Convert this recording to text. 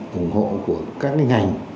cùng hộ của các cái ngành